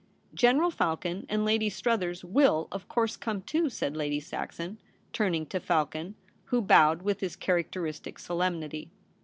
* General Falcon and Lady Struthers will, of course, come too,' said Lady Saxon, turning to Falcon, who bowled with his characteristic solemnity.